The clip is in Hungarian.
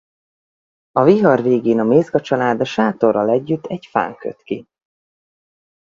A vihar végén a Mézga család a sátorral együtt egy fán köt ki.